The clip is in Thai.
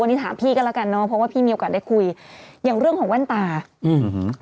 วันนี้ถามพี่ก็แล้วกันเนอะเพราะว่าพี่มีโอกาสได้คุยอย่างเรื่องของแว่นตาอืม